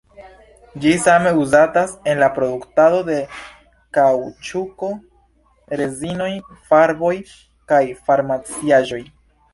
Ĝi same uzatas en la produktado de kaŭĉuko, rezinoj, farboj kaj farmaciaĵoj.